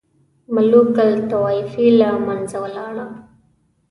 ملوک الطوایفي له منځه ولاړه.